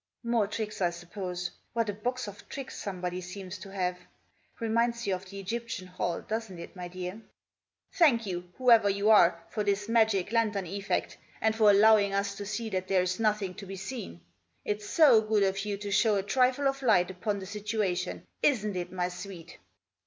" More tricks, I suppose. What a box of tricks somebody seems to have. Reminds you of the Egyptian Hall, doesn't it, my dear? Thank you, whoever you are, for this magic lantern effect ; and for allowing us to see that there is nothing to be seen. It's so good of you to show a trifle of light upon the situation ; isn't it, my sweet